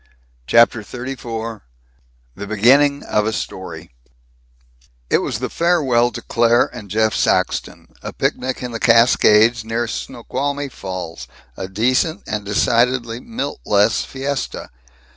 CHAPTER XXXIV THE BEGINNING OF A STORY It was the farewell to Claire and Jeff Saxton, a picnic in the Cascades, near Snoqualmie Falls a decent and decidedly Milt less fiesta.